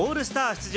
出場